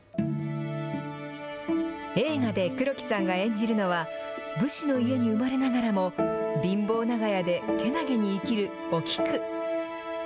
映画で黒木さんが演じるのは、武士の家に生まれながらも、貧乏長屋で健気に生きるおきく。